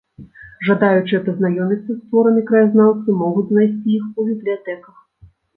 Жадаючыя пазнаёміцца з творамі краязнаўцы могуць знайсці іх у бібліятэках.